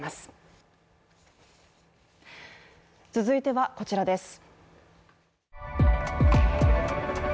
続いてはこちらです。